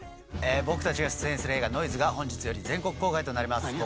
僕たちが出演する映画『ノイズ』が本日より全国公開となります。